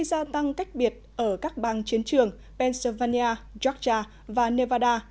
gia tăng cách biệt ở các bang chiến trường pennsylvania georgia và nevada